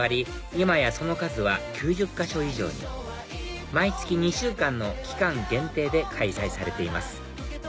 今やその数は９０か所以上に毎月２週間の期間限定で開催されています